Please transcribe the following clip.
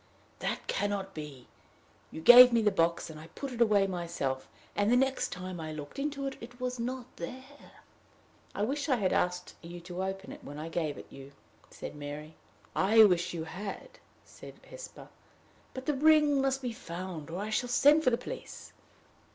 "That can not be. You gave me the box, and I put it away myself, and, the next time I looked in it, it was not there." "I wish I had asked you to open it when I gave it you," said Mary. "I wish you had," said Hesper. "But the ring must be found, or I shall send for the police."